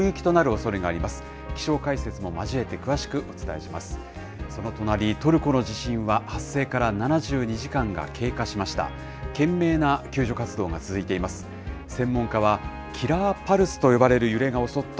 その隣、トルコの地震は発生から７２時間が経過しました。